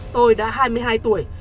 tôi đã hai mươi hai tuổi